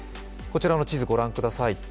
こちらの地図、御覧ください。